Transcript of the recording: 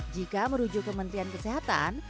jika merujuk kementrian kesehatan